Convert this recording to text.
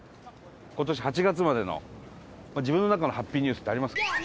今年８月までの自分の中のハッピーニュースってありますか？